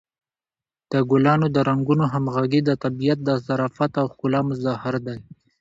د ګلانو د رنګونو همغږي د طبیعت د ظرافت او ښکلا مظهر دی.